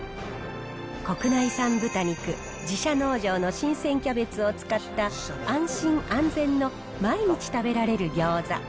国内産豚肉、自社農場の新鮮キャベツを使った、安心安全の毎日食べられる餃子。